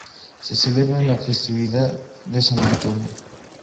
Se celebra la festividad de San Antonio.